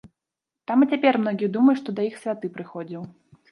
Там і цяпер многія думаюць, што да іх святы прыходзіў.